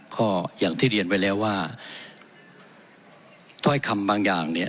ก็อย่างที่เรียนไว้แล้วว่าถ้อยคำบางอย่างเนี่ย